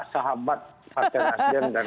sahabat pak terasjen dan